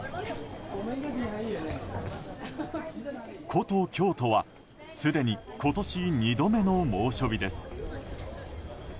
古都・京都はすでに今年２度目の猛暑日です。